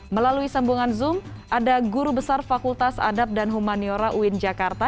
melalui sambungan zoom ada guru besar fakultas adab dan humaniora uin jakarta